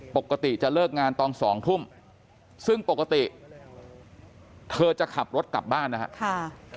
ปกติจะเลิกงานตอน๒ทุ่มซึ่งปกติเธอจะขับรถกลับบ้านนะครับ